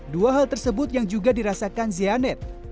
dua hal tersebut yang juga dirasakan zianet